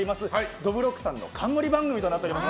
どぶろっくさんの冠番組となっております。